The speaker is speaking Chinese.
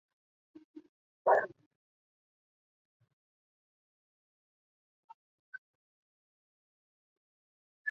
札木合。